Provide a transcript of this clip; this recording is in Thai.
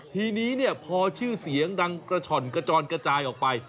ทีนี้เนี่ยพอชื่อเสียงดังกระฉ่อนกระจอนกระจายออกไป